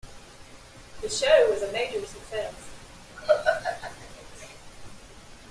The show was a major success.